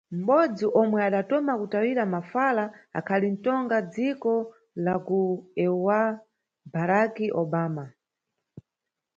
Mʼbodzi omwe adatoma kutayira mafala akhali ntonga dziko la ku EUA, Barack Obama.